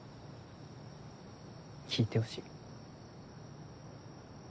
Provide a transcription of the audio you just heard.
聞いてほしい。